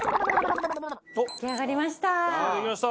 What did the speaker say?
出来上がりました。